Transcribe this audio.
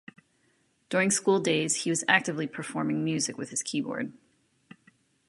During school days he was actively performing music with his keyboard.